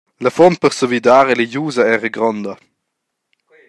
La fom per savida religiusa era gronda.